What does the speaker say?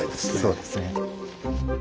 そうですね。